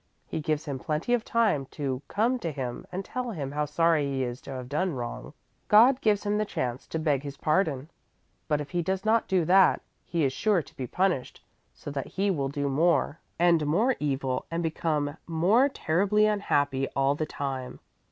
He gives him plenty of time to come to Him and tell Him how sorry he is to have done wrong. God gives him the chance to beg His pardon. But if he does not do that, he is sure to be punished so that he will do more and more evil and become more terribly unhappy all the time."